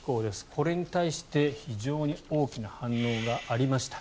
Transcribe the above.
これに対して非常に大きな反応がありました。